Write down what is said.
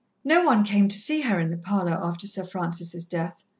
No one came to see her in the parlour after Sir Francis' death.